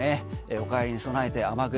お帰りに備えて雨具